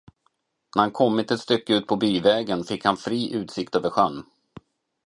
När han kommit ett stycke fram på byvägen, fick han fri utsikt över sjön.